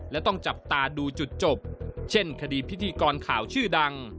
และต้องจับตาดูจุดจบเช่นคดีพิธีกรข่าวชื่อดัง